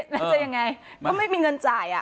แล้วจะยังไงก็ไม่มีเงินจ่าย